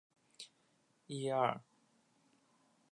他现在效力于意大利足球甲级联赛球队热那亚。